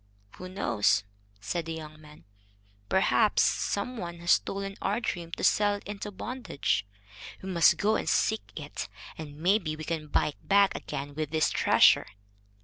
"Who knows?" said the young man; "perhaps some one has stolen our dream to sell it into bondage. We must go and seek it, and maybe we can buy it back again with this treasure."